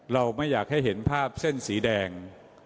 เราไม่อยากให้เห็นภาพเส้นสีแดง